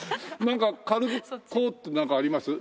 軽くこうってなんかあります？